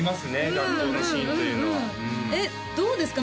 学校のシーンというのはえっどうですか？